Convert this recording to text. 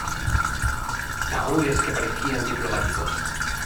tahúres que parecían diplomáticos,